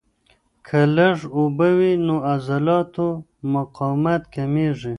که لږ اوبه وي، د عضلاتو مقاومت کمېږي.